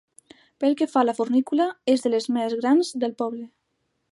Pel que fa a la fornícula, és de les més grans del poble.